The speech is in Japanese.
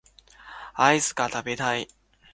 アイスが食べたい